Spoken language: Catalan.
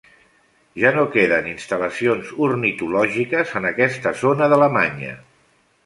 Ja no queden instal·lacions ornitològiques en aquella zona d’Alemanya.